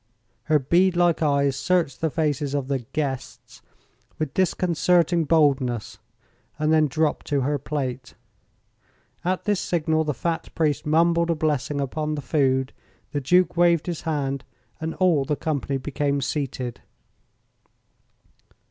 Her bead like eyes searched the faces of the "guests" with disconcerting boldness, and then dropped to her plate. At this signal the fat priest mumbled a blessing upon the food, the Duke waved his hand, and all the company became seated.